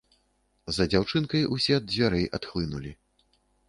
За дзяўчынкай усе ад дзвярэй адхлынулі.